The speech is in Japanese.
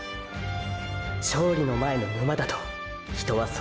“勝利の前の沼”だと人はそれを呼ぶ！！